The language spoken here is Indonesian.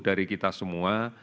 dari kita semua